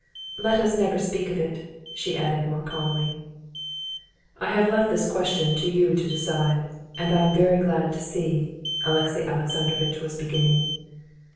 "Let us never speak of it," she added more calmly. "I have left this question to you to decide, and I am very glad to see...." Alexey Alexandrovitch was beginning.